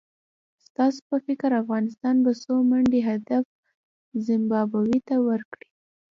ستاسو په فکر افغانستان به څو منډي هدف زیمبابوې ته ورکړي؟